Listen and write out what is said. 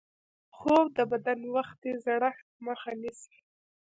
خوب د بدن وختي زړښت مخه نیسي